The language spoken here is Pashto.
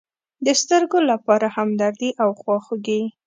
د سترگو لپاره همدردي او خواخوږي.